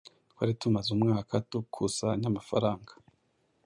Twari tumaze umwaka dukusanya amafaranga